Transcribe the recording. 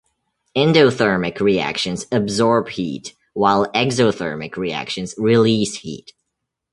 Endothermic reactions absorb heat, while exothermic reactions release heat.